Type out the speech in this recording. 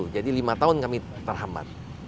jadi lima tahun kami terhambat